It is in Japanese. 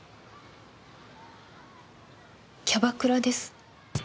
キャバクラです。